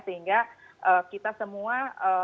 sehingga kita semua